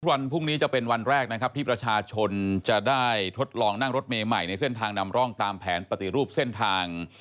วันพรุ่งนี้จะเป็นวันแรกนะครับที่ประชาชนจะได้ทดลองนั่งรถเมย์ใหม่ในเส้นทางนำร่องตามแผนปฏิรูปเส้นทาง